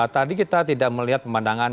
tadi kita tidak melihat pemandangan